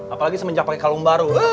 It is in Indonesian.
apalagi semenjak pakai kalung baru